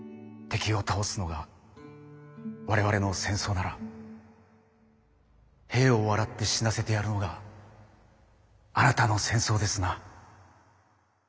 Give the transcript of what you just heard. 敵を倒すのが我々の戦争なら兵を笑って死なせてやるのがあなたの戦争ですな。